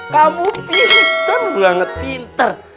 kamu pinter banget pinter